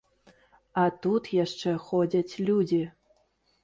А тут яшчэ ходзяць людзі.